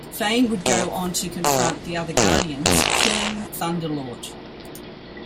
Fain would go on to confront the other Guardians, killing Thunderlord.